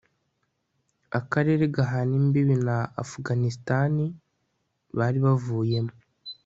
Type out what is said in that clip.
akarere gahana imbibi na afuganistani bari bavuyemo